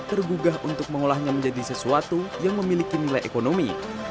tergugah untuk mengolahnya menjadi sesuatu yang memiliki nilai ekonomi